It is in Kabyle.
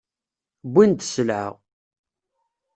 Wwin-d sselɛa.